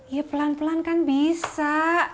ya pelan pelan kan bisa